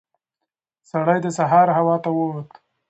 سړی د سهار هوا ته ووت.